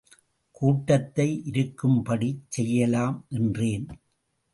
கூட்டத்தை இருக்கும்படிச் செய்யலாம் என்றேன்.